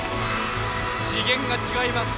次元が違います。